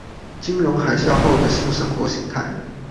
金融海嘯後的新生活形態